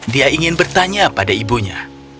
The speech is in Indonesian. dia ingin bertanya pada ibunya